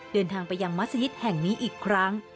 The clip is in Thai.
เดินทางไปยังมัศยิตแห่งนี้อีกครั้ง